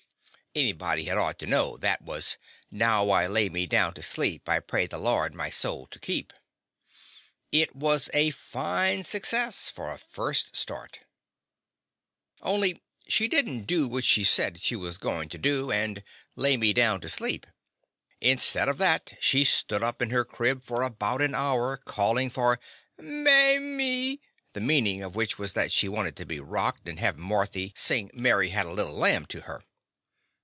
'' Anybody had ought to know that was: — "Now I lay me down to sleep, I pray the Lord my soul to keep.'' It was a fine success for a first start, The Confessions of a Daddy only she did n't do what she said she was goin' to do and "lay me down to sleep." Instead of that she stood up in her crib for about an hour, callin' for "Mamie," the meanin' of which was that she wanted to be rocked and have Marthy sing "Mary had a little lamb," to her.